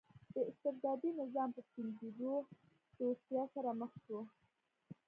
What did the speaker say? د استبدادي نظام په ټینګېدو ځوړتیا سره مخ شو.